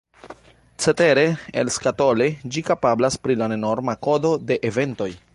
Cetere, elskatole ĝi kapablas pri la nenorma kodo de Eventoj.